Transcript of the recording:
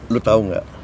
lu tau gak